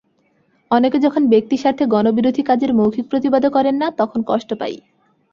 অনেকে যখন ব্যক্তিস্বার্থে গণবিরোধী কাজের মৌখিক প্রতিবাদও করেন না, তখন কষ্ট পাই।